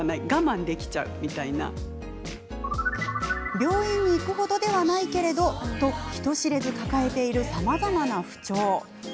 病院に行く程ではないけれどと、人知れず抱えているさまざまな不調。